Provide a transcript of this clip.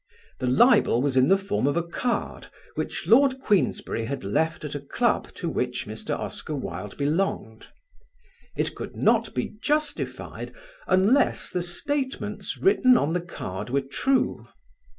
The libel was in the form of a card which Lord Queensberry had left at a club to which Mr. Oscar Wilde belonged: it could not be justified unless the statements written on the card were true.